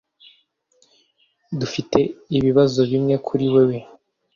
Dufite ibibazo bimwe kuri wewe